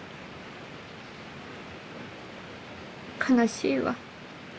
悲しいわ。